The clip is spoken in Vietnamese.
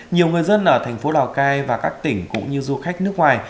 nhiều người dân ở tp lào cai và các tỉnh cũng như du khách nước ngoài